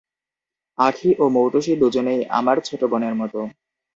আঁখি ও মৌটুসি দুজনেই আমার ছোট বোনের মতো।